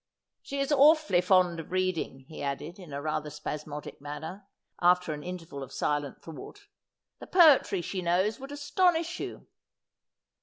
' She is awfully fond of reading,' he added in rather a spasmodic manner, after an interval of silent thought. ' The poetry she knows would astonish you.'